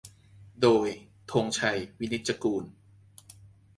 โดย ธงชัย วินิจจะกูล